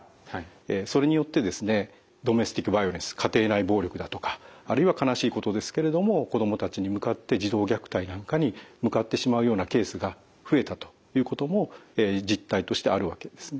それによってですねドメスティックバイオレンス家庭内暴力だとかあるいは悲しいことですけれども子どもたちに向かって児童虐待なんかに向かってしまうようなケースが増えたということも実態としてあるわけですね。